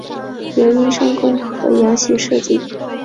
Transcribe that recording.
由英商公和洋行设计。